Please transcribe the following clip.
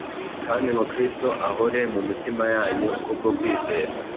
kandi ngo Kristo ahore mu mitima yanyu kubwo kwizera,